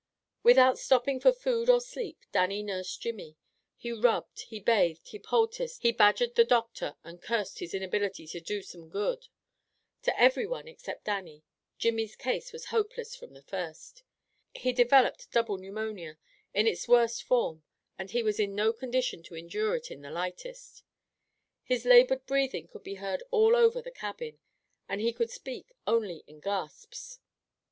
Without stopping for food or sleep, Dannie nursed Jimmy. He rubbed, he bathed, he poulticed, he badgered the doctor and cursed his inability to do some good. To every one except Dannie, Jimmy's case was hopeless from the first. He developed double pneumonia in its worst form and he was in no condition to endure it in the lightest. His labored breathing could be heard all over the cabin, and he could speak only in gasps.